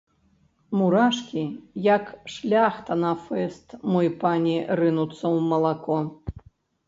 Мурашкі, як шляхта на фэст, мой пане, рынуцца ў малако.